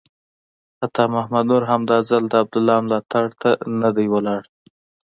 عطا محمد نور هم دا ځل د عبدالله ملاتړ ته نه دی ولاړ.